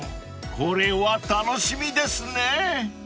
［これは楽しみですね］